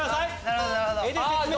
なるほどなるほど！